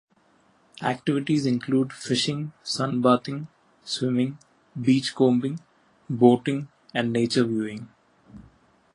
Activities include fishing, sunbathing, swimming, beachcombing, boating and nature viewing.